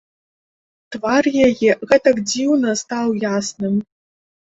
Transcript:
Твар яе гэтак дзіўна стаў ясным.